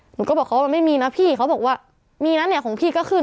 หนูก็บอกเขาว่ามันไม่มีนะพี่เขาบอกว่ามีนะเนี่ยของพี่ก็ขึ้น